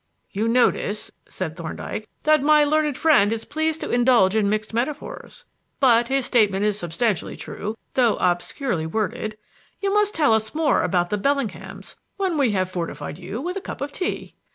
"You notice," said Thorndyke, "that my learned friend is pleased to indulge in mixed metaphors. But his statement is substantially true, though obscurely worded. You must tell us more about the Bellinghams when we have fortified you with a cup of tea."